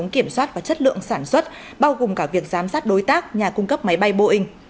kiểm soát và chất lượng sản xuất bao gồm cả việc giám sát đối tác nhà cung cấp máy bay boeing